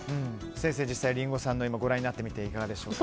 先生、実際にリンゴさんのものご覧になっていかがでしょうか。